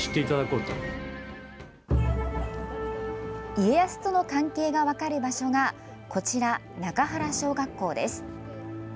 家康との関係が分かる場所がこちら、中原小学校です。